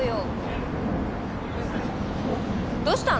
どうしたの？